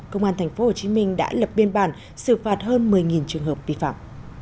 công an tp hcm đã lập biên bản xử phạt hơn một mươi trường hợp vi phạm